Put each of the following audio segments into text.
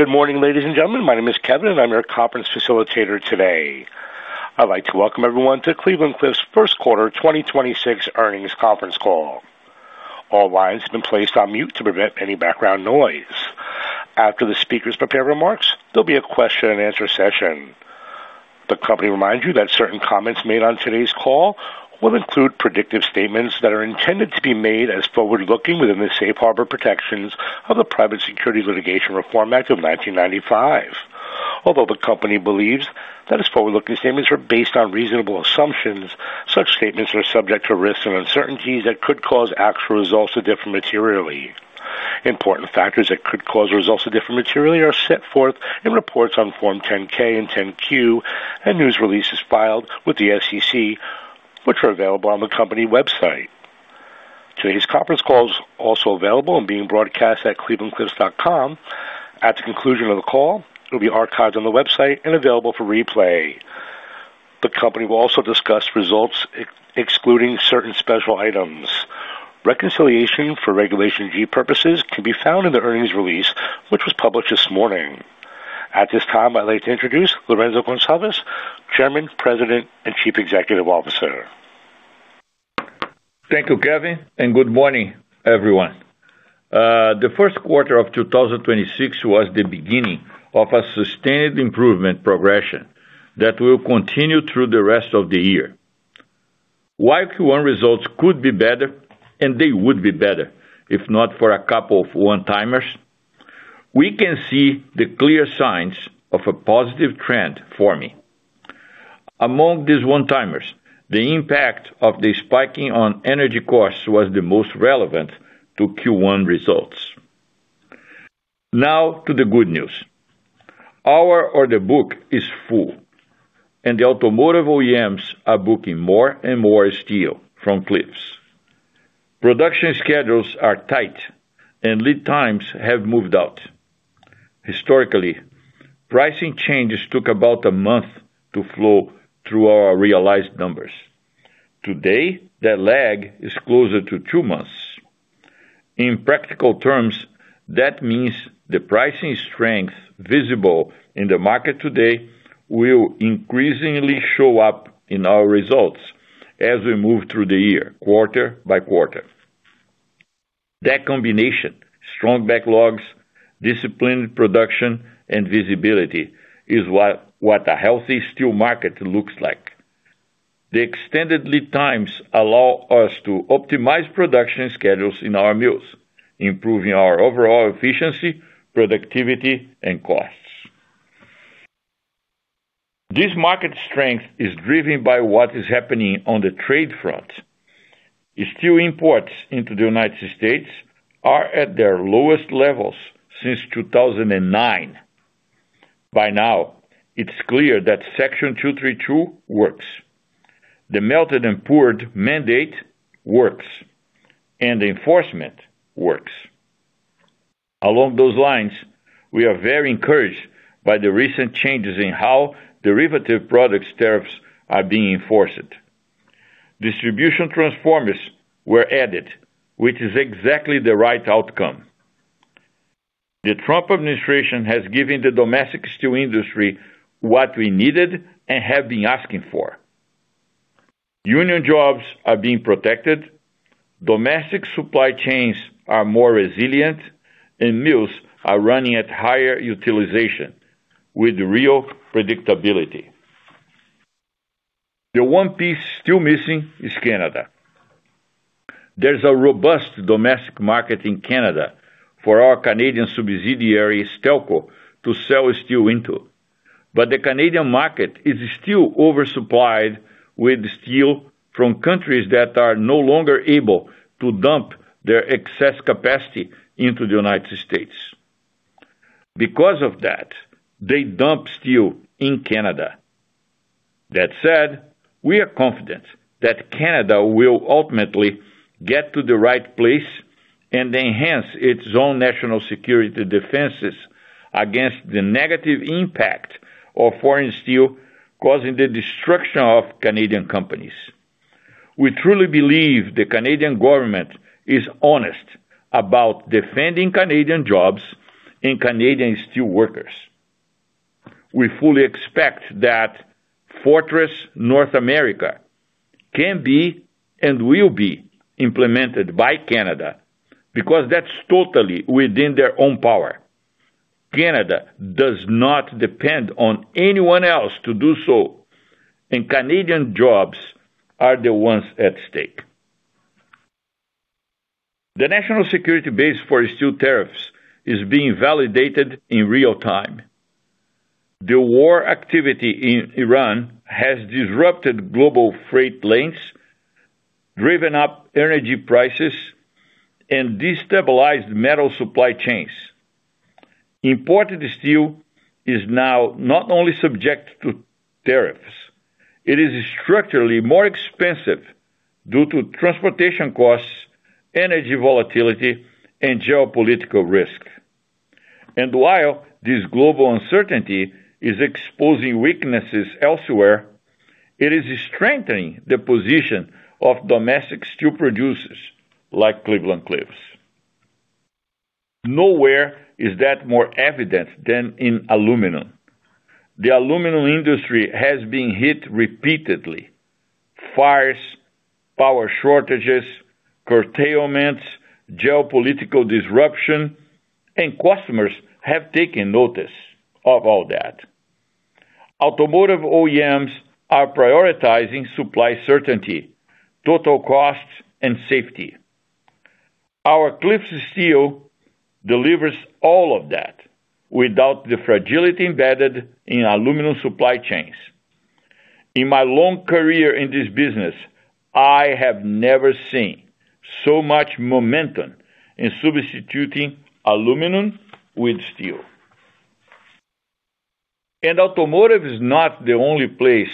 Good morning, ladies and gentlemen. My name is Kevin, and I'm your conference facilitator today. I'd like to welcome everyone to Cleveland-Cliffs' first quarter 2026 earnings conference call. All lines have been placed on mute to prevent any background noise. After the speakers prepare remarks, there'll be a question-and-answer session. The company reminds you that certain comments made on today's call will include predictive statements that are intended to be made as forward-looking within the safe harbor protections of the Private Securities Litigation Reform Act of 1995. Although the company believes that its forward-looking statements are based on reasonable assumptions, such statements are subject to risks and uncertainties that could cause actual results to differ materially. Important factors that could cause results to differ materially are set forth in reports on Form 10-K and 10-Q and news releases filed with the SEC, which are available on the company website. Today's conference call is also available and being broadcast at clevelandcliffs.com. At the conclusion of the call, it will be archived on the website and available for replay. The company will also discuss results excluding certain special items. Reconciliation for Regulation G purposes can be found in the earnings release, which was published this morning. At this time, I'd like to introduce Lourenco Goncalves, Chairman, President, and Chief Executive Officer. Thank you, Kevin, and good morning, everyone. The first quarter of 2026 was the beginning of a sustained improvement progression that will continue through the rest of the year. While Q1 results could be better, and they would be better if not for a couple of one-timers, we can see the clear signs of a positive trend forming. Among these one-timers, the impact of the spike in energy costs was the most relevant to Q1 results. Now to the good news. Our order book is full, and the automotive OEMs are booking more and more steel from Cliffs. Production schedules are tight, and lead times have moved out. Historically, pricing changes took about a month to flow through our realized numbers. Today, that lag is closer to two months. In practical terms, that means the pricing strength visible in the market today will increasingly show up in our results as we move through the year, quarter by quarter. That combination, strong backlogs, disciplined production, and visibility, is what a healthy steel market looks like. The extended lead times allow us to optimize production schedules in our mills, improving our overall efficiency, productivity, and costs. This market strength is driven by what is happening on the trade front. Steel imports into the United States are at their lowest levels since 2009. By now, it's clear that Section 232 works. The melted and poured mandate works, and enforcement works. Along those lines, we are very encouraged by the recent changes in how derivative products tariffs are being enforced. Distribution transformers were added, which is exactly the right outcome. The Trump administration has given the domestic steel industry what we needed and have been asking for. Union jobs are being protected, domestic supply chains are more resilient, and mills are running at higher utilization with real predictability. The one piece still missing is Canada. There's a robust domestic market in Canada for our Canadian subsidiary, Stelco, to sell steel into. The Canadian market is still oversupplied with steel from countries that are no longer able to dump their excess capacity into the United States. Because of that, they dump steel in Canada. That said, we are confident that Canada will ultimately get to the right place and enhance its own national security defenses against the negative impact of foreign steel, causing the destruction of Canadian companies. We truly believe the Canadian government is honest about defending Canadian jobs and Canadian steelworkers. We fully expect that Fortress North America can be and will be implemented by Canada, because that's totally within their own power. Canada does not depend on anyone else to do so, and Canadian jobs are the ones at stake. The national security base for steel tariffs is being validated in real time. The war activity in Iran has disrupted global freight lanes, driven up energy prices, and destabilized metal supply chains. Imported steel is now not only subject to tariffs, it is structurally more expensive due to transportation costs, energy volatility, and geopolitical risk. While this global uncertainty is exposing weaknesses elsewhere. It is strengthening the position of domestic steel producers like Cleveland-Cliffs. Nowhere is that more evident than in aluminum. The aluminum industry has been hit repeatedly. Fires, power shortages, curtailments, geopolitical disruption, and customers have taken notice of all that. Automotive OEMs are prioritizing supply certainty, total cost, and safety. Our Cliffs' steel delivers all of that without the fragility embedded in aluminum supply chains. In my long career in this business, I have never seen so much momentum in substituting aluminum with steel. Automotive is not the only place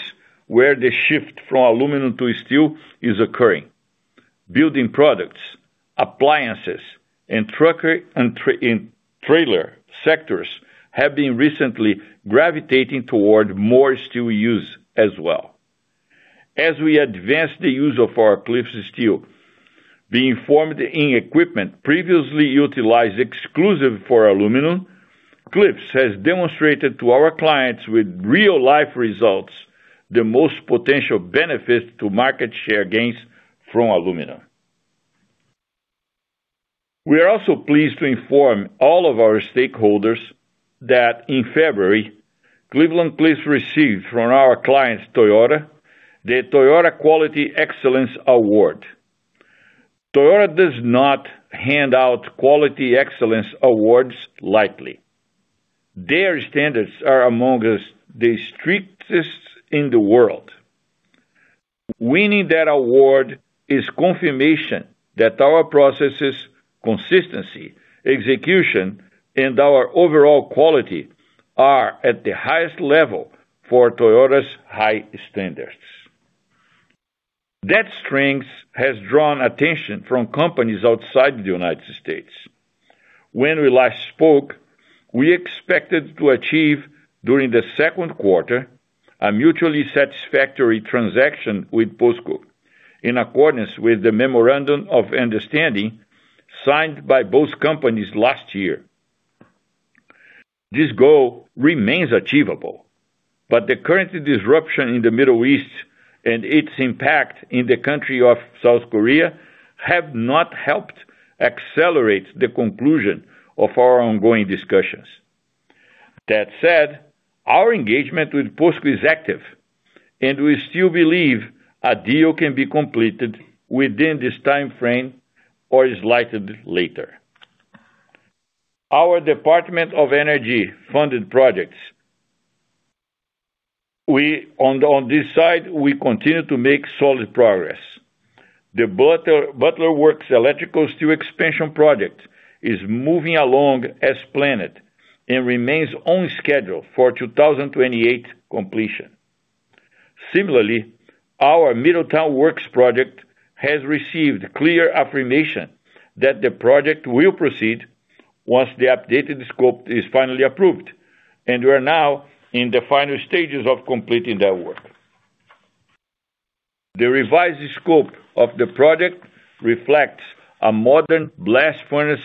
where the shift from aluminum to steel is occurring. Building products, appliances, and trailer sectors have been recently gravitating toward more steel use as well. As we advance the use of our Cliffs' steel, being formed in equipment previously utilized exclusively for aluminum, Cliffs has demonstrated to our clients with real-life results, the most potential benefit to market share gains from aluminum. We are also pleased to inform all of our stakeholders that in February, Cleveland-Cliffs received from our clients, Toyota, the Toyota Quality Excellence Award. Toyota does not hand out Quality Excellence Awards lightly. Their standards are among the strictest in the world. Winning that award is confirmation that our processes, consistency, execution, and our overall quality are at the highest level for Toyota's high standards. That strength has drawn attention from companies outside the United States. When we last spoke, we expected to achieve, during the second quarter, a mutually satisfactory transaction with POSCO, in accordance with the memorandum of understanding signed by both companies last year. This goal remains achievable, but the current disruption in the Middle East and its impact in the country of South Korea have not helped accelerate the conclusion of our ongoing discussions. That said, our engagement with POSCO is active, and we still believe a deal can be completed within this timeframe or slightly later. Our Department of Energy-funded projects on this side continue to make solid progress. The Butler Works electrical steel expansion project is moving along as planned and remains on schedule for 2028 completion. Similarly, our Middletown Works project has received clear affirmation that the project will proceed once the updated scope is finally approved, and we're now in the final stages of completing that work. The revised scope of the project reflects a modern blast furnace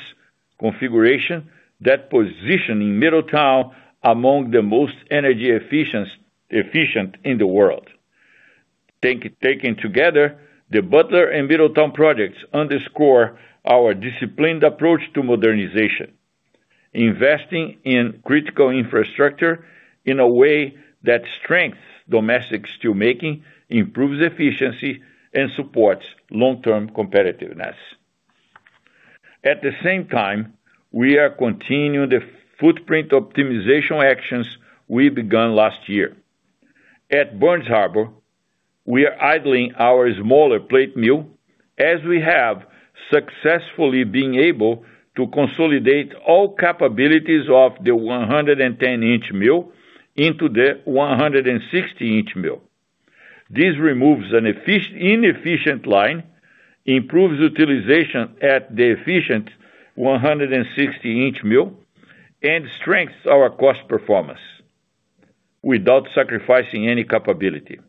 configuration that positions Middletown among the most energy-efficient in the world. Taken together, the Butler and Middletown projects underscore our disciplined approach to modernization, investing in critical infrastructure in a way that strengthens domestic steel making, improves efficiency, and supports long-term competitiveness. At the same time, we are continuing the footprint optimization actions we began last year. At Burns Harbor, we are idling our smaller plate mill as we have successfully been able to consolidate all capabilities of the 110-inch mill into the 160-inch mill. This removes an inefficient line, improves utilization at the efficient 160-inch mill, and strengthens our cost performance without sacrificing any capability.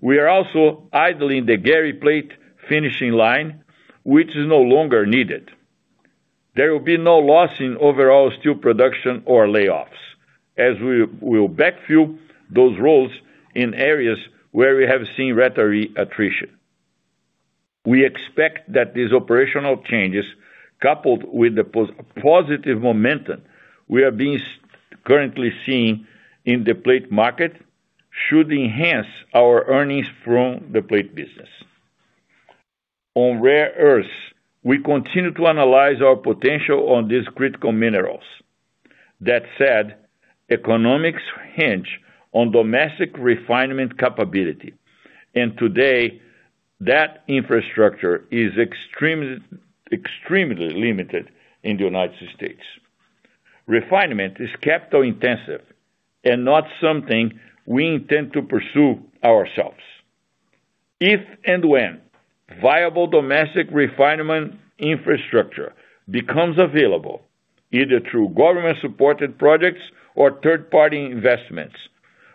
We are also idling the Gary Plate finishing line, which is no longer needed. There will be no loss in overall steel production or layoffs, as we'll backfill those roles in areas where we have seen retiree attrition. We expect that these operational changes, coupled with the positive momentum we are currently seeing in the plate market, should enhance our earnings from the plate business. On rare earths, we continue to analyze our potential on these critical minerals. That said, economics hinge on domestic refinement capability. Today, that infrastructure is extremely limited in the United States. Refinement is capital-intensive and not something we intend to pursue ourselves. If and when viable domestic refinement infrastructure becomes available, either through government-supported projects or third-party investments,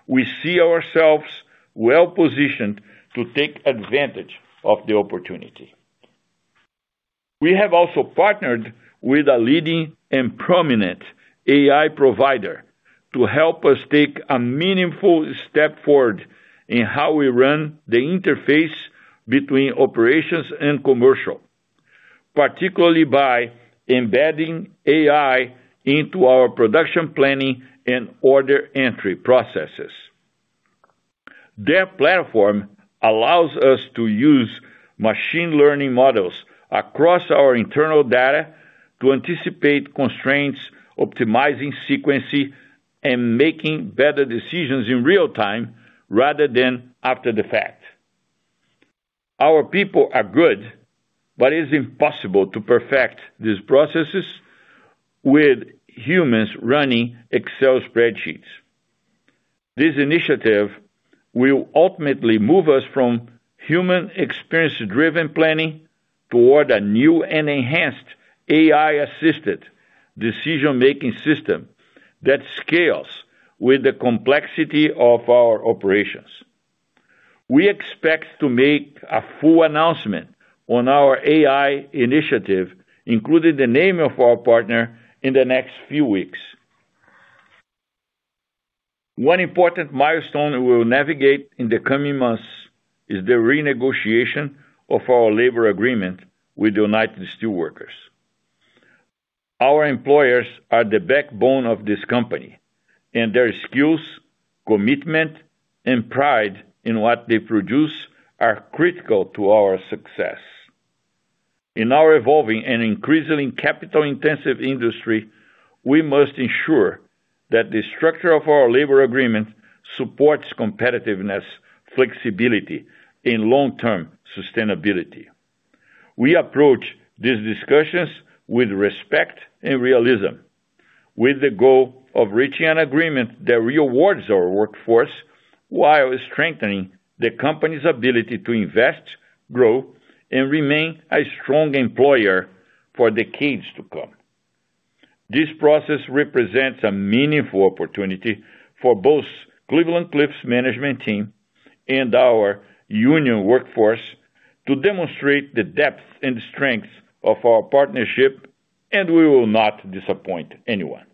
we see ourselves well-positioned to take advantage of the opportunity. We have also partnered with a leading and prominent AI provider to help us take a meaningful step forward in how we run the interface between operations and commercial, particularly by embedding AI into our production planning and order entry processes. Their platform allows us to use machine learning models across our internal data to anticipate constraints, optimizing sequencing, and making better decisions in real time rather than after the fact. Our people are good, but it is impossible to perfect these processes with humans running Excel spreadsheets. This initiative will ultimately move us from human experience-driven planning toward a new and enhanced AI-assisted decision-making system that scales with the complexity of our operations. We expect to make a full announcement on our AI initiative, including the name of our partner, in the next few weeks. One important milestone we will navigate in the coming months is the renegotiation of our labor agreement with the United Steelworkers. Our employees are the backbone of this company, and their skills, commitment, and pride in what they produce are critical to our success. In our evolving and increasingly capital-intensive industry, we must ensure that the structure of our labor agreement supports competitiveness, flexibility, and long-term sustainability. We approach these discussions with respect and realism, with the goal of reaching an agreement that rewards our workforce while strengthening the company's ability to invest, grow, and remain a strong employer for decades to come. This process represents a meaningful opportunity for both Cleveland-Cliffs' management team and our union workforce to demonstrate the depth and strength of our partnership, and we will not disappoint anyone.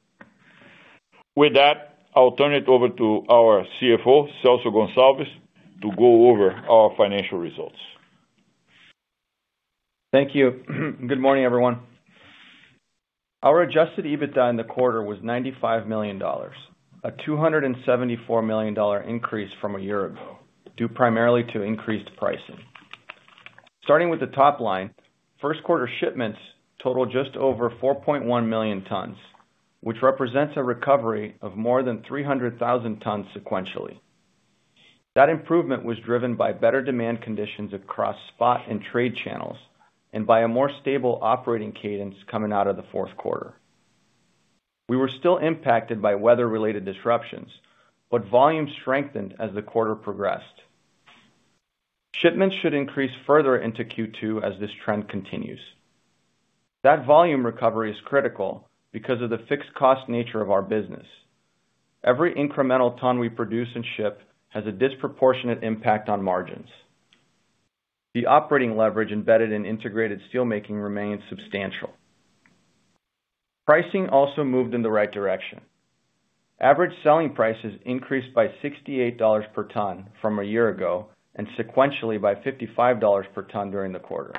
With that, I'll turn it over to our CFO, Celso Goncalves, to go over our financial results. Thank you. Good morning, everyone. Our adjusted EBITDA in the quarter was $95 million, a $274 million increase from a year ago, due primarily to increased pricing. Starting with the top line, first-quarter shipments totaled just over 4.1 million tons, which represents a recovery of more than 300,000 tons sequentially. That improvement was driven by better demand conditions across spot and trade channels and by a more stable operating cadence coming out of the fourth quarter. We were still impacted by weather-related disruptions, but volume strengthened as the quarter progressed. Shipments should increase further into Q2 as this trend continues. That volume recovery is critical because of the fixed cost nature of our business. Every incremental ton we produce and ship has a disproportionate impact on margins. The operating leverage embedded in integrated steelmaking remains substantial. Pricing also moved in the right direction. Average selling prices increased by $68 per ton from a year ago, and sequentially by $55 per ton during the quarter,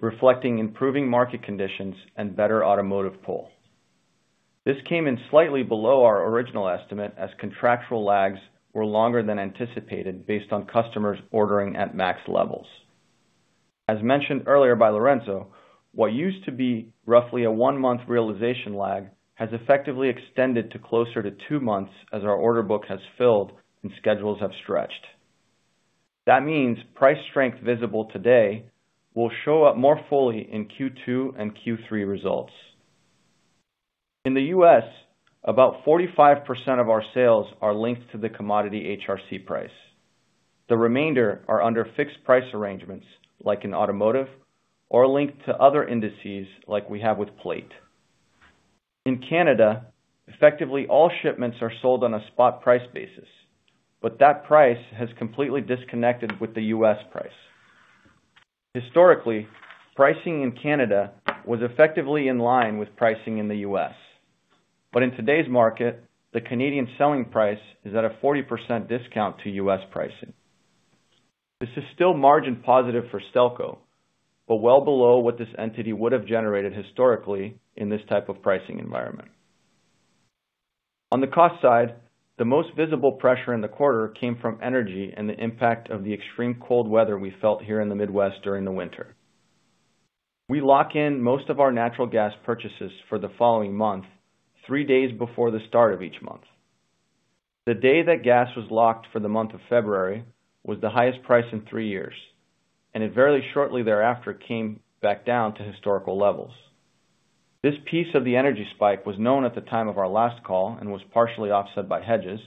reflecting improving market conditions and better automotive pull. This came in slightly below our original estimate as contractual lags were longer than anticipated based on customers ordering at max levels. As mentioned earlier by Lourenco, what used to be roughly a one-month realization lag has effectively extended to closer to two months as our order book has filled and schedules have stretched. That means price strength visible today will show up more fully in Q2 and Q3 results. In the U.S., about 45% of our sales are linked to the commodity HRC price. The remainder are under fixed price arrangements, like in automotive, or linked to other indices, like we have with Plate. In Canada, effectively all shipments are sold on a spot price basis, but that price has completely disconnected with the U.S. price. Historically, pricing in Canada was effectively in line with pricing in the U.S., but in today's market, the Canadian selling price is at a 40% discount to U.S. pricing. This is still margin positive for Stelco, but well below what this entity would have generated historically in this type of pricing environment. On the cost side, the most visible pressure in the quarter came from energy and the impact of the extreme cold weather we felt here in the Midwest during the winter. We lock in most of our natural gas purchases for the following month, three days before the start of each month. The day that gas was locked for the month of February was the highest price in three years, and it very shortly thereafter came back down to historical levels. This piece of the energy spike was known at the time of our last call and was partially offset by hedges,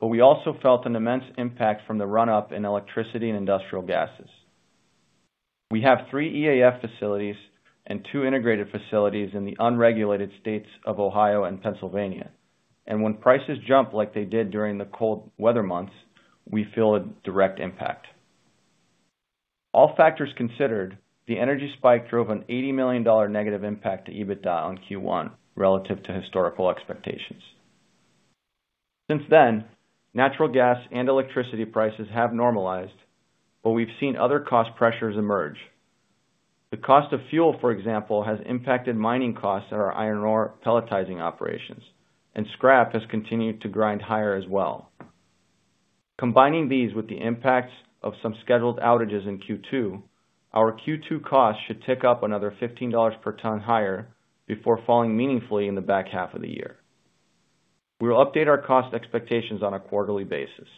but we also felt an immense impact from the run-up in electricity and industrial gases. We have three EAF facilities and two integrated facilities in the unregulated states of Ohio and Pennsylvania. When prices jump like they did during the cold weather months, we feel a direct impact. All factors considered, the energy spike drove an -$80 millionimpact to EBITDA on Q1 relative to historical expectations. Since then, natural gas and electricity prices have normalized, but we've seen other cost pressures emerge. The cost of fuel, for example, has impacted mining costs at our iron ore pelletizing operations, and scrap has continued to grind higher as well. Combining these with the impacts of some scheduled outages in Q2, our Q2 costs should tick up another $15 per ton higher before falling meaningfully in the back half of the year. We will update our cost expectations on a quarterly basis.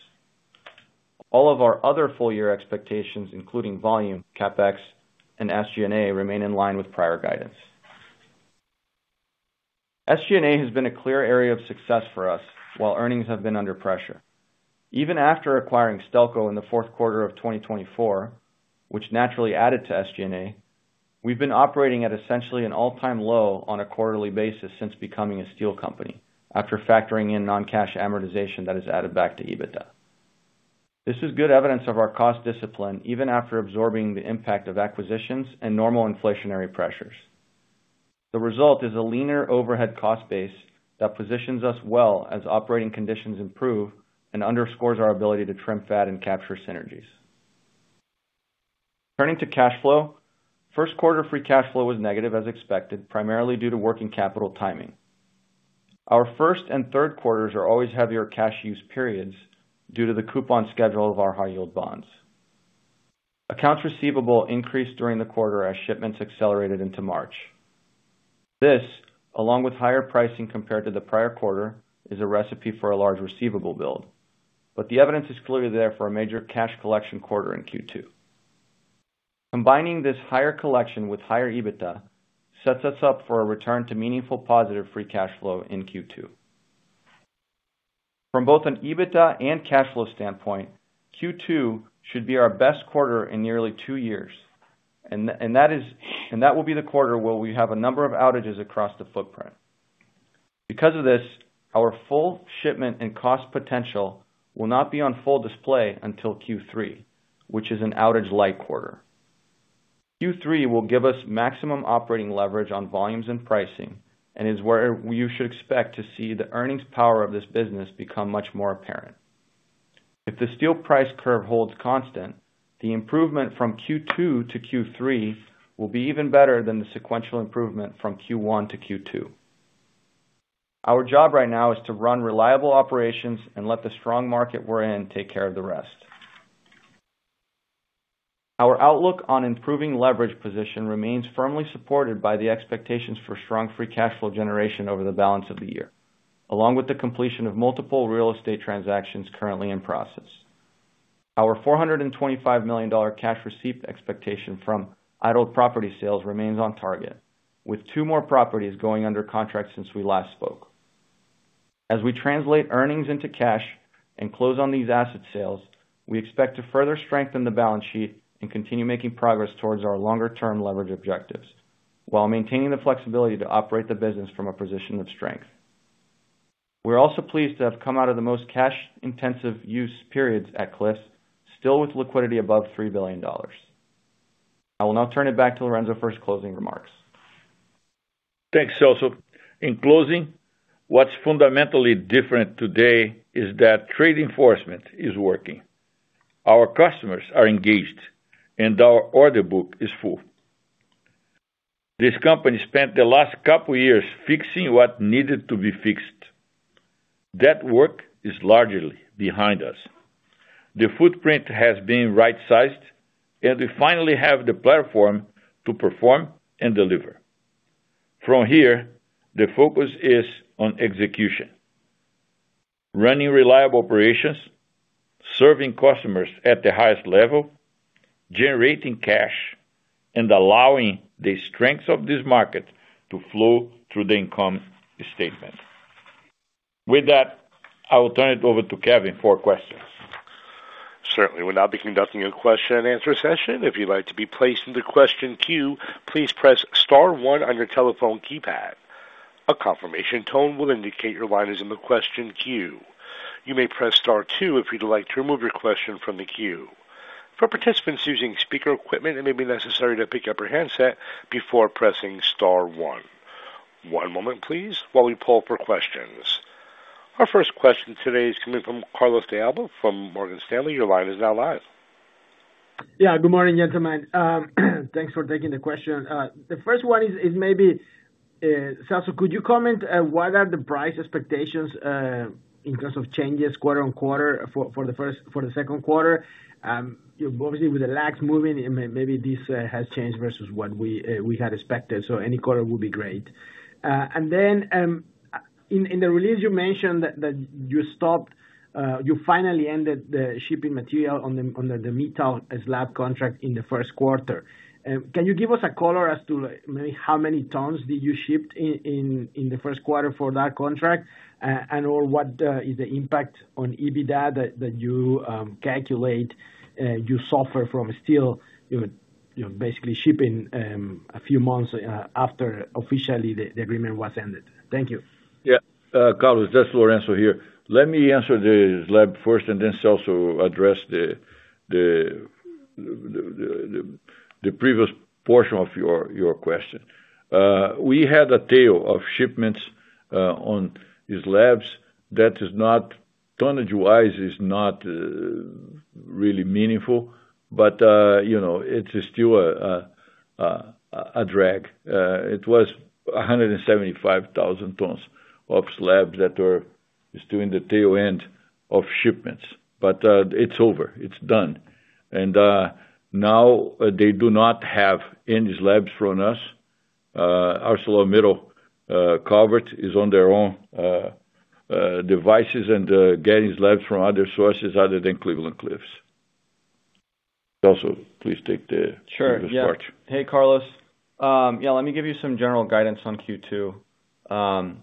All of our other full-year expectations, including volume, CapEx, and SG&A, remain in line with prior guidance. SG&A has been a clear area of success for us while earnings have been under pressure. Even after acquiring Stelco in the fourth quarter of 2024, which naturally added to SG&A, we've been operating at essentially an all-time low on a quarterly basis since becoming a steel company, after factoring in non-cash amortization that is added back to EBITDA. This is good evidence of our cost discipline, even after absorbing the impact of acquisitions and normal inflationary pressures. The result is a leaner overhead cost base that positions us well as operating conditions improve and underscores our ability to trim fat and capture synergies. Turning to cash flow. First quarter free cash flow was negative as expected, primarily due to working capital timing. Our first and third quarters are always heavier cash use periods due to the coupon schedule of our high-yield bonds. Accounts receivable increased during the quarter as shipments accelerated into March. This, along with higher pricing compared to the prior quarter, is a recipe for a large receivable build. The evidence is clearly there for a major cash collection quarter in Q2. Combining this higher collection with higher EBITDA sets us up for a return to meaningful positive free cash flow in Q2. From both an EBITDA and cash flow standpoint, Q2 should be our best quarter in nearly two years, and that will be the quarter where we have a number of outages across the footprint. Because of this, our full shipment and cost potential will not be on full display until Q3, which is an outage-light quarter. Q3 will give us maximum operating leverage on volumes and pricing, and is where you should expect to see the earnings power of this business become much more apparent. If the steel price curve holds constant, the improvement from Q2 to Q3 will be even better than the sequential improvement from Q1 to Q2. Our job right now is to run reliable operations and let the strong market we're in take care of the rest. Our outlook on improving leverage position remains firmly supported by the expectations for strong free cash flow generation over the balance of the year, along with the completion of multiple real estate transactions currently in process. Our $425 million cash receipt expectation from idled property sales remains on target, with two more properties going under contract since we last spoke. As we translate earnings into cash and close on these asset sales, we expect to further strengthen the balance sheet and continue making progress towards our longer-term leverage objectives while maintaining the flexibility to operate the business from a position of strength. We're also pleased to have come out of the most cash-intensive use periods at Cliffs, still with liquidity above $3 billion. I will now turn it back to Lourenco for his closing remarks. Thanks, Celso. In closing, what's fundamentally different today is that trade enforcement is working. Our customers are engaged, and our order book is full. This company spent the last couple of years fixing what needed to be fixed. That work is largely behind us. The footprint has been right-sized, and we finally have the platform to perform and deliver. From here, the focus is on execution, running reliable operations, serving customers at the highest level, generating cash, and allowing the strengths of this market to flow through the income statement. With that, I will turn it over to Kevin for questions. Certainly, we'll now be conducting a question-and-answer session. If you'd like to be placed in the question queue, please press star one on your telephone keypad. A confirmation tone will indicate your line is in the question queue. You may press star two if you'd like to remove your question from the queue. For participants using speaker equipment, it may be necessary to pick up your handset before pressing star one. One moment, please, while we poll for questions. Our first question today is coming from Carlos de Alba from Morgan Stanley. Your line is now live. Yeah. Good morning, gentlemen. Thanks for taking the question. The first one is maybe, Celso, could you comment what are the price expectations in terms of changes quarter-over-quarter for the second quarter? Obviously, with the lags moving, maybe this has changed versus what we had expected. Any color would be great. In the release, you mentioned that you finally ended the shipping material under the Mittal slab contract in the first quarter. Can you give us a color as to how many tons you shipped in the first quarter for that contract? What is the impact on EBITDA that you calculate you suffer from still shipping steel, basically shipping a few months after officially the agreement was ended. Thank you. Yeah. Carlos, that's Lourenco here. Let me answer the slab first, and then Celso address the previous portion of your question. We had a tail of shipments on these slabs that tonnage-wise is not really meaningful, but it is still a drag. It was 175,000 tons of slabs that were still in the tail end of shipments. It's over, it's done. Now they do not have any slabs from us. ArcelorMittal Calvert is on their own devices and getting slabs from other sources other than Cleveland-Cliffs. Celso, please take the first part. Sure. Yeah. Hey, Carlos. Yeah, let me give you some general guidance on Q2.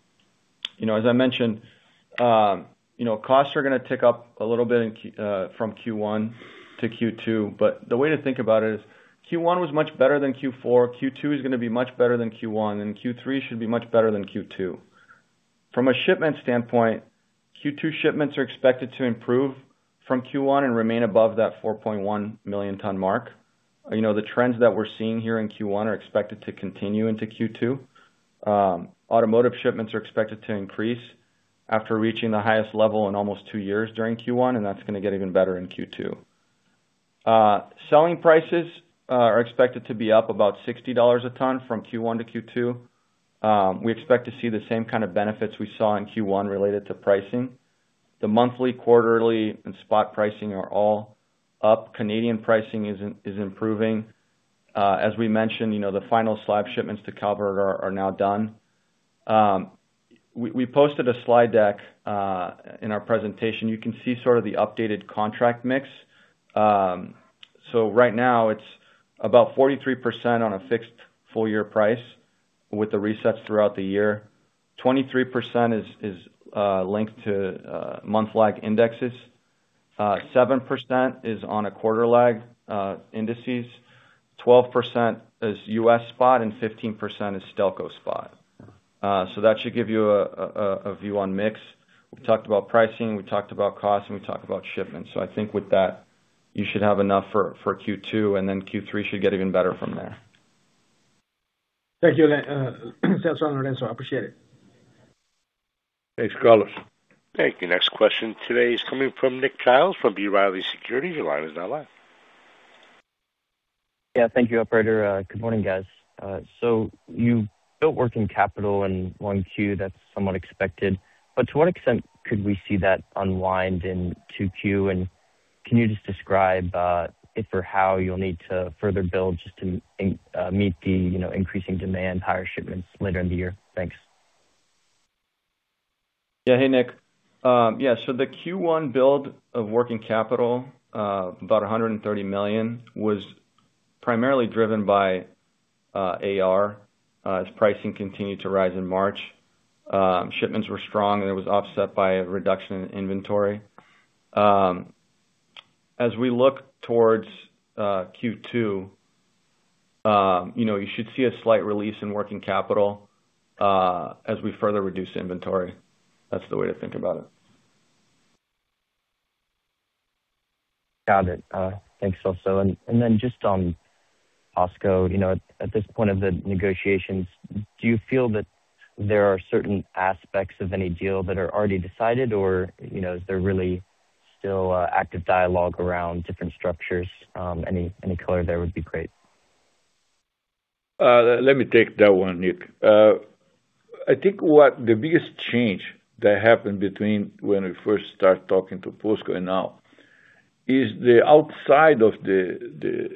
As I mentioned, costs are gonna tick up a little bit from Q1 to Q2, but the way to think about it is Q1 was much better than Q4. Q2 is gonna be much better than Q1, and Q3 should be much better than Q2. From a shipment standpoint, Q2 shipments are expected to improve from Q1 and remain above that 4.1 million ton mark. The trends that we're seeing here in Q1 are expected to continue into Q2. Automotive shipments are expected to increase after reaching the highest level in almost two years during Q1, and that's gonna get even better in Q2. Selling prices are expected to be up about $60 a ton from Q1 to Q2. We expect to see the same kind of benefits we saw in Q1 related to pricing. The monthly, quarterly, and spot pricing are all up. Canadian pricing is improving. As we mentioned, the final slab shipments to Calvert are now done. We posted a slide deck, in our presentation, you can see sort of the updated contract mix. Right now, it's about 43% on a fixed full-year price with the resets throughout the year. 23% is linked to month lag indexes. 7% is on a quarter lag indices. 12% is U.S. spot, and 15% is Stelco spot. That should give you a view on mix. We talked about pricing, we talked about cost, and we talked about shipments. I think with that, you should have enough for Q2, and then Q3 should get even better from there. Thank you, Celso and Lourenco. I appreciate it. Thanks, Carlos. Thank you. Next question today is coming from Nick Giles from B. Riley Securities. Your line is now live. Yeah, thank you, operator. Good morning, guys. You built working capital in 1Q, that's somewhat expected. To what extent could we see that unwind in 2Q? Can you just describe if or how you'll need to further build just to meet the increasing demand, higher shipments later in the year? Thanks. Yeah. Hey, Nick. Yeah. The Q1 build of working capital, about $130 million, was primarily driven by AR, as pricing continued to rise in March. Shipments were strong, and it was offset by a reduction in inventory. As we look towards Q2, you should see a slight release in working capital, as we further reduce inventory. That's the way to think about it. Got it. Thanks, Celso. Just on POSCO, at this point of the negotiations, do you feel that there are certain aspects of any deal that are already decided? Or is there really still active dialogue around different structures? Any color there would be great. Let me take that one, Nick. I think what the biggest change that happened between when we first start talking to POSCO and now is outside the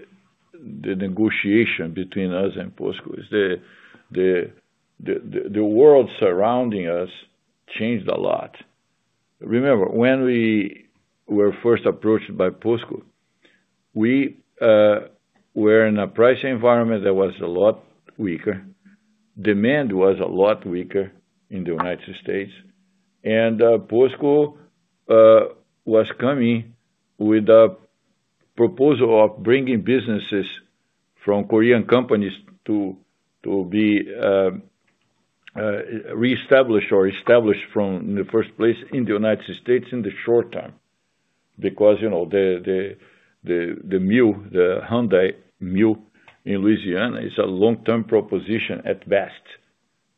negotiation between us and POSCO. The world surrounding us changed a lot. Remember, when we were first approached by POSCO, we were in a pricing environment that was a lot weaker. Demand was a lot weaker in the United States. POSCO was coming with a proposal of bringing businesses from Korean companies to be reestablished or established in the first place in the United States in the short term. Because the Hyundai mill in Louisiana is a long-term proposition at best.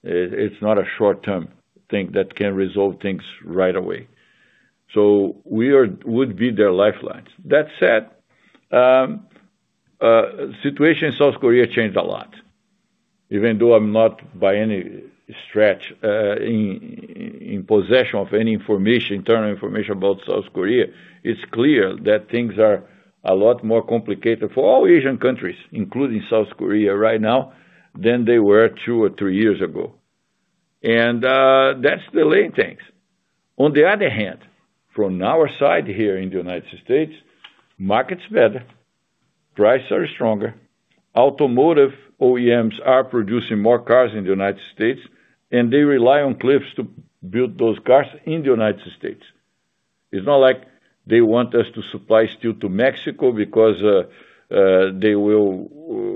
It's not a short-term thing that can resolve things right away. We would be their lifelines. That said, situation in South Korea changed a lot. Even though I'm not by any stretch in possession of any internal information about South Korea, it's clear that things are a lot more complicated for all Asian countries, including South Korea, right now than they were two or three years ago. That's the latest things. On the other hand, from our side here in the United States, market's better, prices are stronger. Automotive OEMs are producing more cars in the United States, and they rely on Cliffs to build those cars in the United States. It's not like they want us to supply steel to Mexico because they will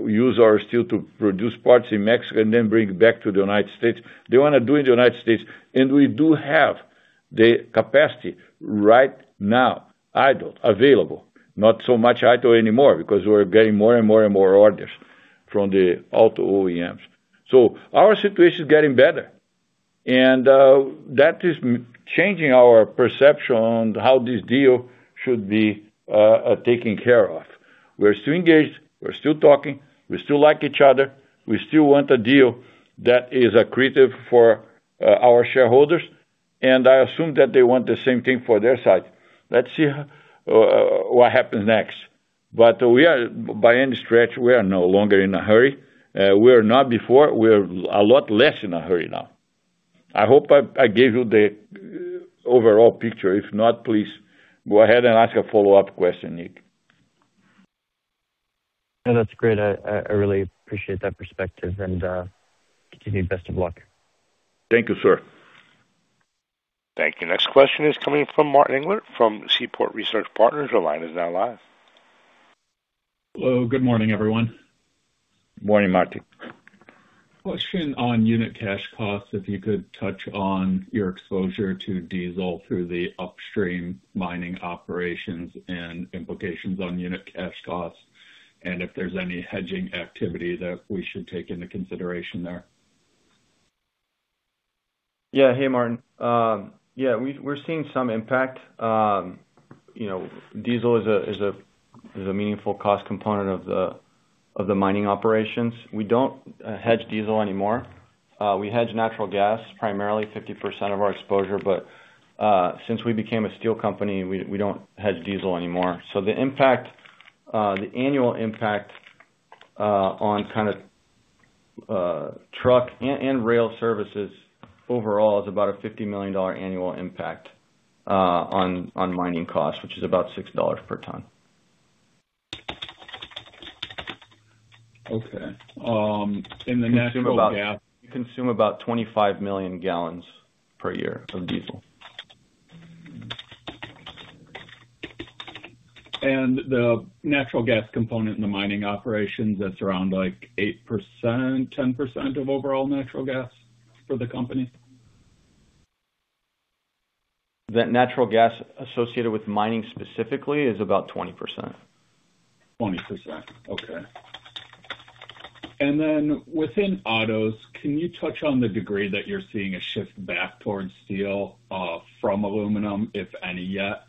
use our steel to produce parts in Mexico and then bring it back to the United States. They want to do it in the United States, and we do have the capacity right now, idle, available. Not so much idle anymore because we're getting more and more orders from the auto OEMs. Our situation is getting better, and that is changing our perception on how this deal should be taken care of. We're still engaged, we're still talking, we still like each other, we still want a deal that is accretive for our shareholders, and I assume that they want the same thing for their side. Let's see what happens next. By any stretch, we are no longer in a hurry. We were not before, we're a lot less in a hurry now. I hope I gave you the overall picture. If not, please go ahead and ask a follow-up question, Nick. No, that's great. I really appreciate that perspective and continue. Best of luck. Thank you, sir. Thank you. Next question is coming from Martin Englert from Seaport Research Partners. Your line is now live. Hello. Good morning, everyone. Morning, Martin. Question on unit cash costs. If you could touch on your exposure to diesel through the upstream mining operations and implications on unit cash costs, and if there's any hedging activity that we should take into consideration there? Yeah. Hey, Martin. Yeah, we're seeing some impact. Diesel is a meaningful cost component of the mining operations. We don't hedge diesel anymore. We hedge natural gas, primarily 50% of our exposure, but since we became a steel company, we don't hedge diesel anymore. The annual impact on truck and rail services overall is about a $50 million annual impact on mining costs, which is about $6 per ton. Okay. In the natural gas. We consume about 25 million gallons per year of diesel. The natural gas component in the mining operations, that's around 8%-10% of overall natural gas for the company? The natural gas associated with mining specifically is about 20%. 20%, okay. Then, within autos, can you touch on the degree that you're seeing a shift back towards steel from aluminum, if any, yet?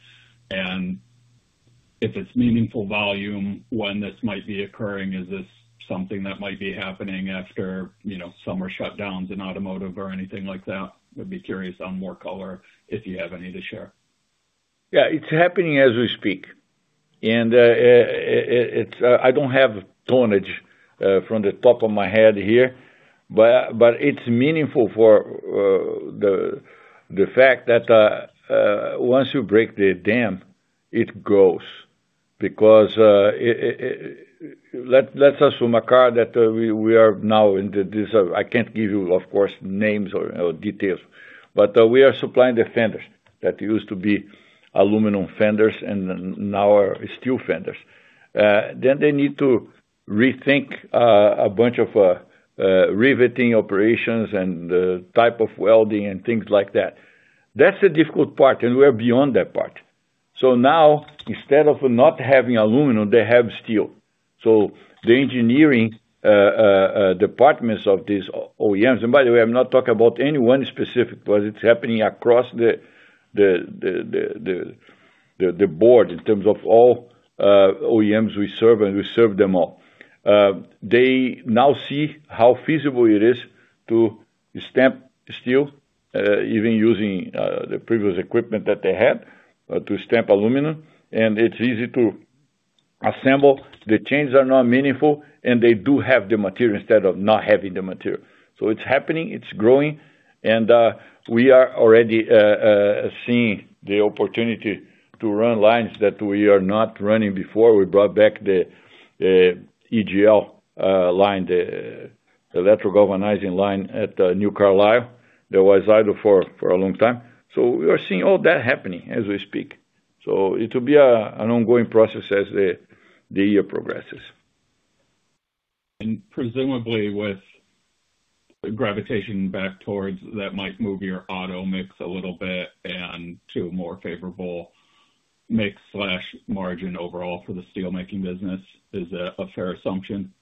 If it's meaningful volume, when this might be occurring, is this something that might be happening after summer shutdowns in automotive or anything like that? I'd be curious on more color if you have any to share. Yeah, it's happening as we speak. I don't have tonnage from the top of my head here, but it's meaningful for the fact that, once you break the dam, it grows. Let's assume that we are now in the desert. I can't give you, of course, names or details, but we are supplying the fenders that used to be aluminum fenders and now are steel fenders. They need to rethink a bunch of riveting operations and the type of welding and things like that. That's the difficult part, and we're beyond that part. Now, instead of not having aluminum, they have steel. The engineering departments of these OEMs, and by the way, I'm not talking about any one specific, but it's happening across the board in terms of all OEMs we serve, and we serve them all. They now see how feasible it is to stamp steel, even using the previous equipment that they had to stamp aluminum, and it's easy to assemble. The changes are now meaningful, and they do have the material instead of not having the material. It's happening, it's growing, and we are already seeing the opportunity to run lines that we are not running before. We brought back the EGL line, the electro galvanizing line at New Carlisle that was idle for a long time. We are seeing all that happening as we speak. It will be an ongoing process as the year progresses. Presumably, with gravitation back towards, that might move your auto mix a little bit and to a more favorable mix/margin overall for the steelmaking business. Is that a fair assumption?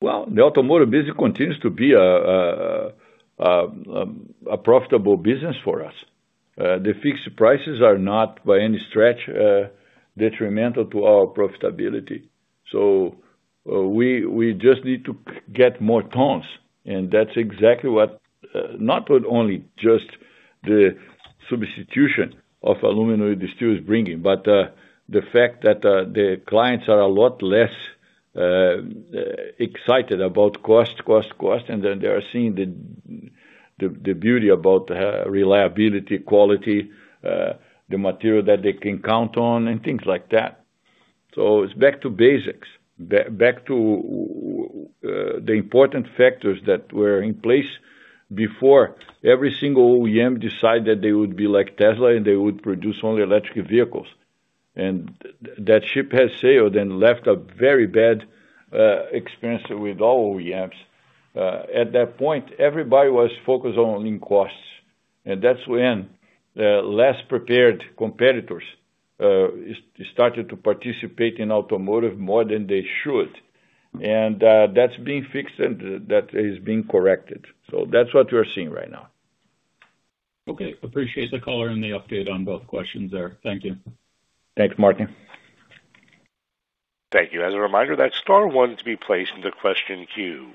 Well, the automotive business continues to be a profitable business for us. The fixed prices are not by any stretch detrimental to our profitability. We just need to get more tons, and that's exactly what not only just the substitution of steel for aluminum is bringing, but the fact that the clients are a lot less excited about cost, and then they are seeing the beauty about reliability, quality, the material that they can count on, and things like that. It's back to basics. Back to the important factors that were in place before every single OEM decided they would be like Tesla, and they would produce only electric vehicles. That ship has sailed and left a very bad experience with all OEMs. At that point, everybody was focused on costs. That's when less prepared competitors started to participate in automotive more than they should. That's being fixed, and that is being corrected. That's what we're seeing right now. Okay. Appreciate the color and the update on both questions there. Thank you. Thanks, Martin. Thank you. As a reminder, that's star one to be placed in the question queue.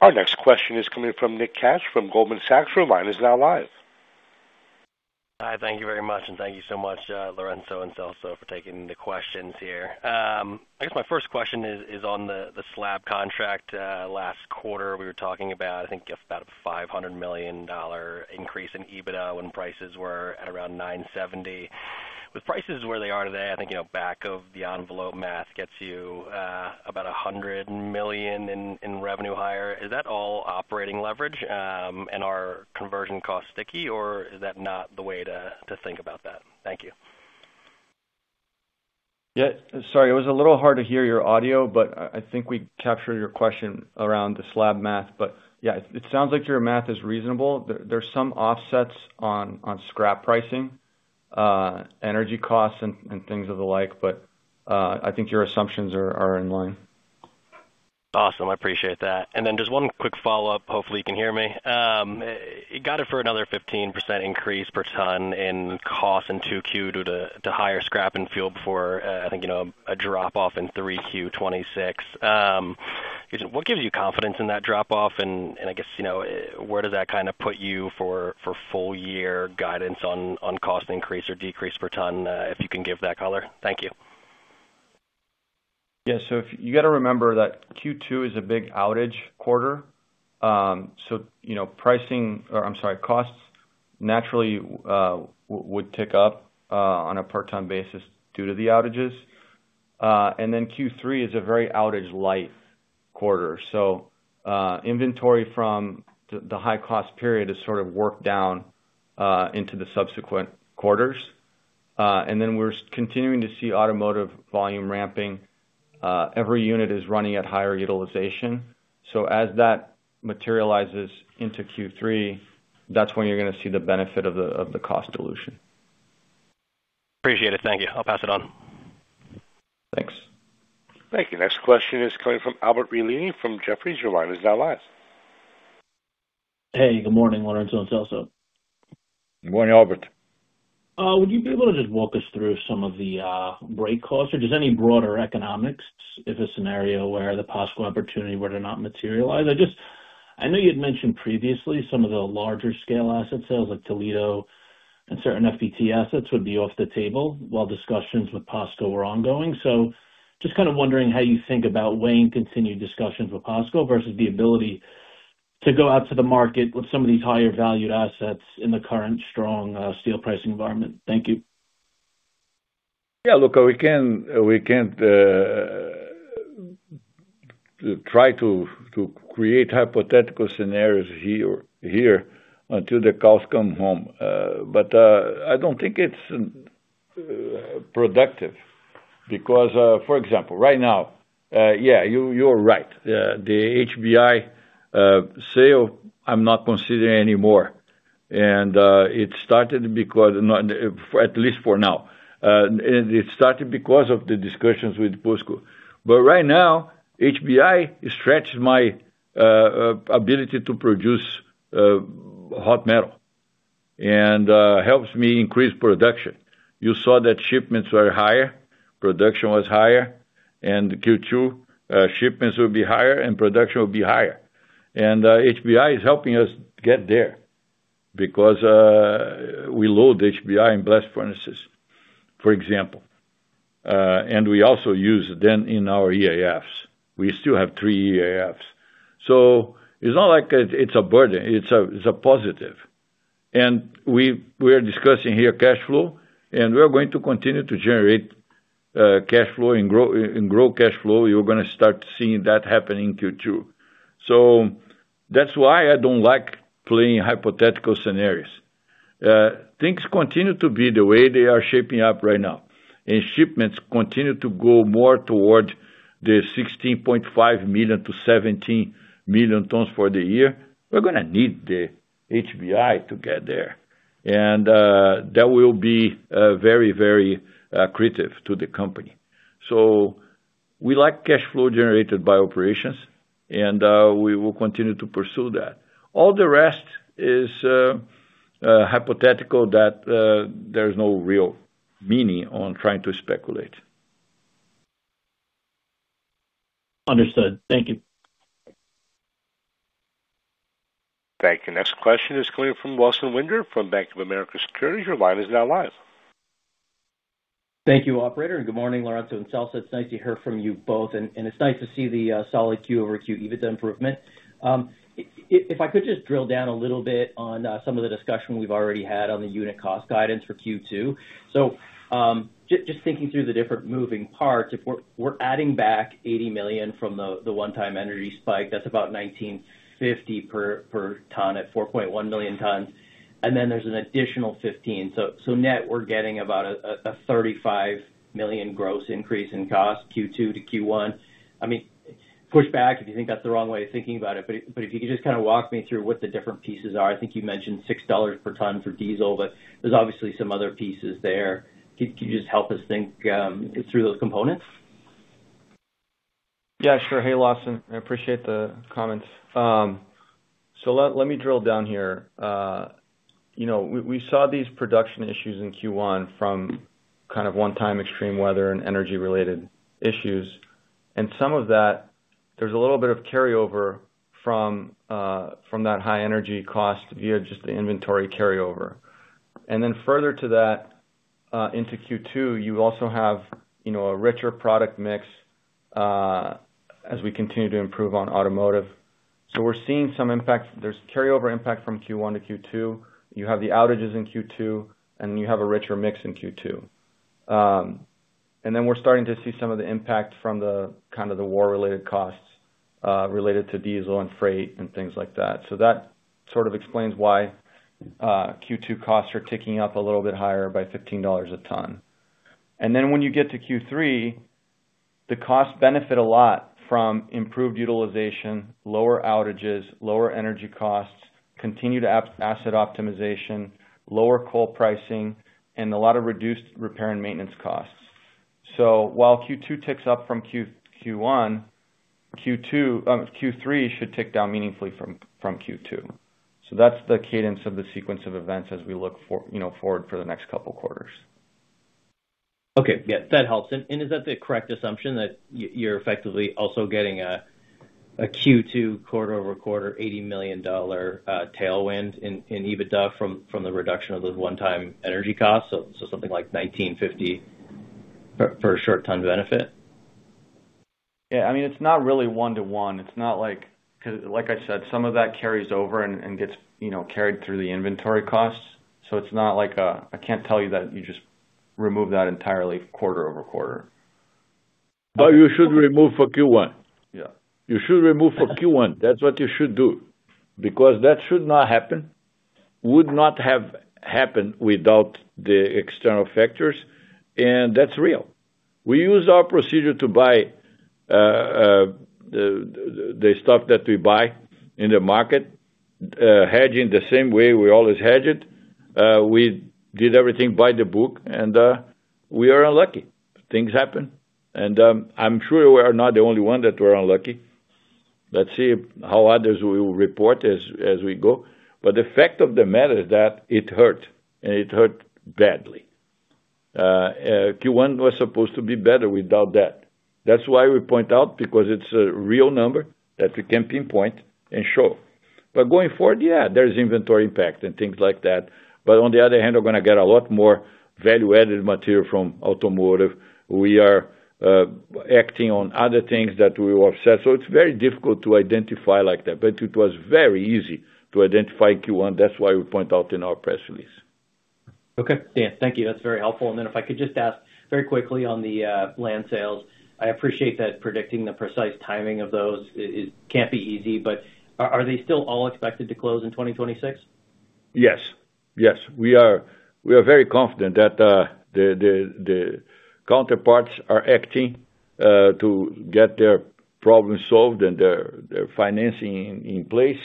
Our next question is coming from Nick Cash from Goldman Sachs. Your line is now live. Hi, thank you very much, and thank you so much, Lourenco and Celso, for taking the questions here. I guess my first question is on the slab contract. Last quarter, we were talking about, I think, about a $500 million increase in EBITDA when prices were at around 970. With prices where they are today, I think, back-of-the-envelope math gets you about $100 million in revenue higher. Is that all operating leverage? And are conversion costs sticky, or is that not the way to think about that? Thank you. Yeah. Sorry, it was a little hard to hear your audio, but I think we captured your question around the slab math. Yeah, it sounds like your math is reasonable. There's some offsets on scrap pricing, energy costs, and things of the like. I think your assumptions are in line. Awesome, I appreciate that. Then just one quick follow-up. Hopefully, you can hear me. You got it for another 15% increase per ton in cost in 2Q due to higher scrap and fuel before, I think, a drop-off in 3Q 2026. What gives you confidence in that drop-off? I guess, where does that kind of put you for full-year guidance on cost increase or decrease per ton, if you can give that color? Thank you. Yeah. You got to remember that Q2 is a big outage quarter. Costs naturally would tick up on a per-ton basis due to the outages. Q3 is a very outage-light quarter. Inventory from the high-cost period is sort of worked down into the subsequent quarters. We're continuing to see automotive volume ramping. Every unit is running at higher utilization. As that materializes into Q3, that's when you're going to see the benefit of the cost dilution. Appreciate it. Thank you. I'll pass it on. Thanks. Thank you. Next question is coming from Albert Realini from Jefferies. Your line is now live. Hey, good morning, Lourenco and Celso. Good morning, Albert Would you be able to just walk us through some of the break costs or just any broader economics if a scenario where the possible opportunity were to not materialize? I know you'd mentioned previously some of the larger-scale asset sales, like Toledo and certain FPT assets, would be off the table while discussions with POSCO were ongoing. Just kind of wondering how you think about weighing continued discussions with POSCO versus the ability to go out to the market with some of these higher valued assets in the current strong steel pricing environment. Thank you. Yeah. Look, we can't try to create hypothetical scenarios here until the cows come home. I don't think it's productive because, for example, right now, yeah, you're right. The HBI sale, I'm not considering anymore. At least for now. It started because of the discussions with POSCO. Right now, HBI stretched my ability to produce hot metal and helps me increase production. You saw that shipments were higher, production was higher, and Q2 shipments will be higher, and production will be higher. HBI is helping us get there because we load HBI in blast furnaces, for example. We also use them in our EAFs. We still have three EAFs. It's not like it's a burden. It's a positive. We are discussing here cash flow, and we're going to continue to generate cash flow and grow cash flow. You're going to start seeing that happen in Q2. That's why I don't like playing hypothetical scenarios. Things continue to be the way they are shaping up right now, and shipments continue to go more toward the 16.5 million-17 million tons for the year. We're going to need the HBI to get there. That will be very accretive to the company. We like cash flow generated by operations, and we will continue to pursue that. All the rest is hypothetical that there's no real meaning in trying to speculate. Understood. Thank you. Thank you. Next question is coming from Lawson Winder from Bank of America Securities. Your line is now live. Thank you, operator, and good morning, Lourenco and Celso. It's nice to hear from you both, and it's nice to see the solid quarter-over-quarter EBITDA improvement. If I could just drill down a little bit on some of the discussion we've already had on the unit cost guidance for Q2. Just thinking through the different moving parts, if we're adding back $80 million from the one-time energy spike, that's about $1,950 per ton at 4.1 million tons. Then there's an additional $15 million, so net, we're getting about a $35 million gross increase in cost Q2 to Q1. Push back if you think that's the wrong way of thinking about it, but if you could just walk me through what the different pieces are. I think you mentioned $6 per ton for diesel, but there's obviously some other pieces there. Could you just help us think through those components? Yeah, sure. Hey, Lawson, I appreciate the comments. Let me drill down here. We saw these production issues in Q1 from kind of one-time extreme weather and energy-related issues. Some of that, there's a little bit of carryover from that high energy cost via just the inventory carryover. Then further to that, into Q2, you also have a richer product mix as we continue to improve on automotive. We're seeing some impact. There's carryover impact from Q1 to Q2. You have the outages in Q2, and you have a richer mix in Q2. Then we're starting to see some of the impact from the war-related costs related to diesel and freight and things like that. That sort of explains why Q2 costs are ticking up a little bit higher by $15 a ton. When you get to Q3, the costs benefit a lot from improved utilization, lower outages, lower energy costs, continued asset optimization, lower coal pricing, and a lot of reduced repair and maintenance costs. While Q2 ticks up from Q1, Q3 should tick down meaningfully from Q2. That's the cadence of the sequence of events as we look forward for the next couple quarters. Okay. Yeah. That helps. Is that the correct assumption that you're effectively also getting a Q2 quarter-over-quarter $80 million tailwind in EBITDA from the reduction of those one-time energy costs? Something like $19.50 per short ton benefit? Yeah. It's not really one-to-one. Because, like I said, some of that carries over and gets carried through the inventory costs. I can't tell you that you just remove that entirely quarter-over-quarter. You should remove for Q1. Yeah. You should remove for Q1. That's what you should do, because that should not happen, would not have happened without the external factors, and that's real. We use our procedure to buy the stuff that we buy in the market, hedging the same way we always hedged. We did everything by the book, and we are unlucky. Things happen. I'm sure we are not the only one that were unlucky. Let's see how others will report as we go. The fact of the matter is that it hurt, and it hurt badly. Q1 was supposed to be better without that. That's why we point out, because it's a real number that we can pinpoint and show. Going forward, yeah, there's inventory impact and things like that. On the other hand, we're going to get a lot more value-added material from automotive. We are acting on other things that we were upset. It's very difficult to identify like that, but it was very easy to identify Q1. That's why we point out in our press release. Okay. Yeah. Thank you. That's very helpful. If I could just ask very quickly on the land sales, I appreciate that predicting the precise timing of those can't be easy, but are they still all expected to close in 2026? Yes. We are very confident that the counterparts are acting to get their problems solved and their financing in place.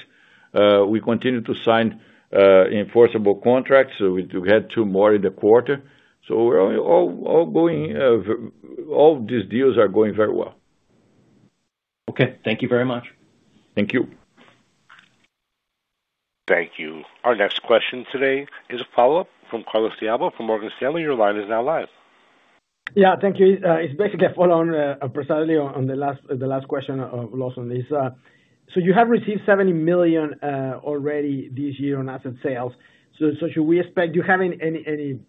We continue to sign enforceable contracts. We had two more in the quarter. All these deals are going very well. Okay. Thank you very much. Thank you. Thank you. Our next question today is a follow-up from Carlos de Alba from Morgan Stanley. Your line is now live. Yeah, thank you. It's basically a follow-on precisely on the last question of Lawson. You have received $70 million already this year on asset sales. Should we expect you having any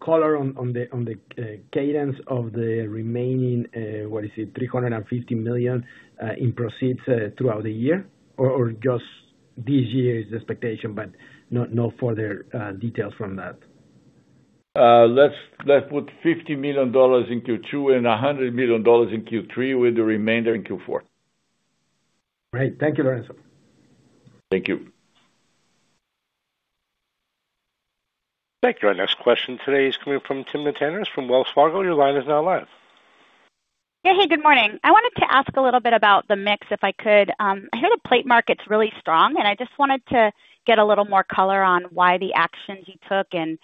color on the cadence of the remaining, what is it, $350 million in proceeds throughout the year? Just this year is the expectation, but no further details from that. Let's put $50 million in Q2 and $100 million in Q3 with the remainder in Q4. Great. Thank you, Lourenco. Thank you. Thank you. Our next question today is coming from Timna Tanners from Wells Fargo. Your line is now live. Yeah. Hey, good morning. I wanted to ask a little bit about the mix, if I could. I hear the plate market's really strong, and I just wanted to get a little more color on why the actions you took, and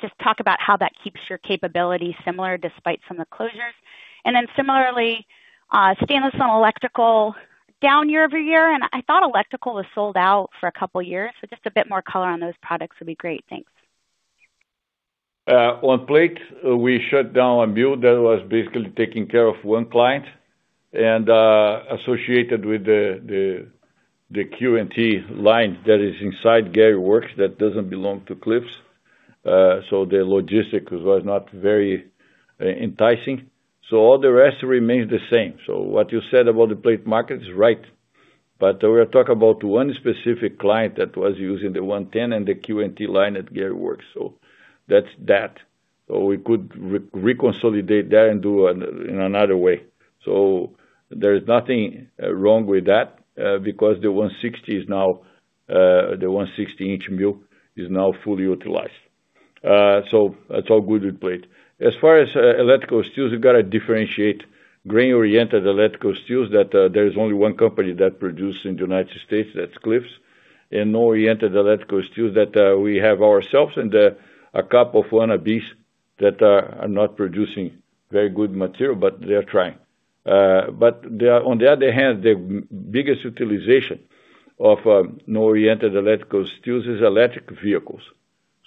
just talk about how that keeps your capability similar despite some of the closures. And then similarly, stainless and electrical down year-over-year, and I thought electrical was sold out for a couple years. Just a bit more color on those products would be great. Thanks. On plate, we shut down a mill that was basically taking care of one client and associated with the Q&T line that is inside Gary Works that doesn't belong to Cliffs. The logistics was not very enticing. All the rest remains the same. What you said about the plate market is right. We are talking about one specific client that was using the 110-inch and the Q&T line at Gary Works. That's that. We could reconsolidate that and do in another way. There is nothing wrong with that, because the 160-inch mill is now fully utilized. That's all good with plate. As far as electrical steels, you've got to differentiate grain-oriented electrical steel, that there is only one company that produce in the United States, that's Cleveland-Cliffs, and non-oriented electrical steel that we have ourselves and a couple of wannabes that are not producing very good material, but they are trying. On the other hand, the biggest utilization of non-oriented electrical steels is electric vehicles.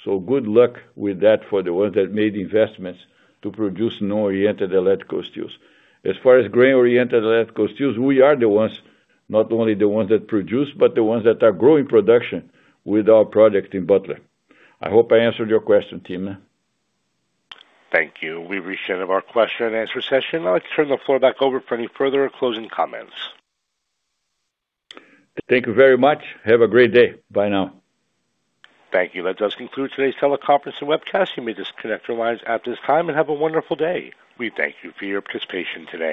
Good luck with that for the ones that made investments to produce non-oriented electrical steels. As far as grain-oriented electrical steel, we are the ones, not only the ones that produce, but the ones that are growing production with our product in Butler. I hope I answered your question, Timna Thank you. We've reached the end of our question-and-answer session. I'd like to turn the floor back over for any further closing comments. Thank you very much. Have a great day. Bye now. Thank you. That does conclude today's teleconference and webcast. You may disconnect your lines at this time and have a wonderful day. We thank you for your participation today.